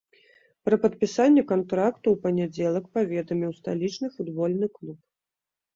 Пра падпісанне кантракту ў панядзелак паведаміў сталічны футбольны клуб.